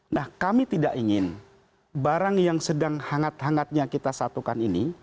nah kami tidak ingin barang yang sedang hangat hangatnya kita satukan ini